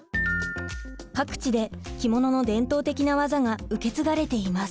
各地で着物の伝統的な技が受け継がれています。